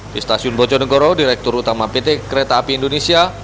di stasiun bojonegoro direktur utama pt kereta api indonesia